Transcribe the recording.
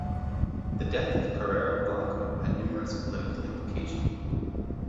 The death of Carrero Blanco had numerous political implication.